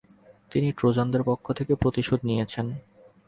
তিনি ট্রোজানদের পক্ষ থেকে প্রতিশোধ নিয়েছেন।